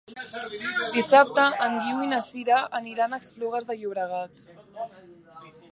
Dissabte en Guiu i na Sira aniran a Esplugues de Llobregat.